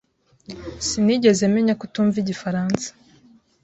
Sinigeze menya ko utumva igifaransa.